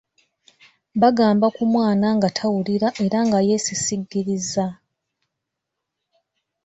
Bagamba ku mwana nga tawulira era nga yeesisiggiriza.